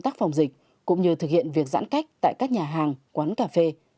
tác phòng dịch cũng như thực hiện việc giãn cách tại các nhà hàng quán cà phê